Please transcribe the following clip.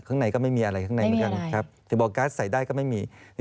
ข้างในก็ไม่มีอะไรข้างในเหมือนกันครับที่บอกการ์ดใส่ได้ก็ไม่มีไม่มีอะไร